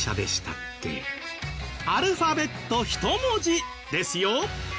アルファベット１文字ですよ。